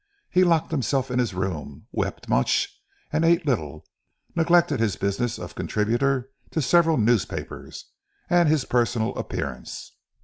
He locked himself in his room, wept much, and ate little; neglected his business of contributor to several newspapers, and his personal appearance.